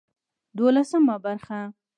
دولسمه برخه